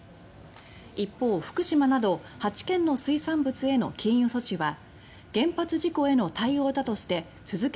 一方、福島など８県の水産物への禁輸措置は「原発事故への対応」だとして続けるとしています。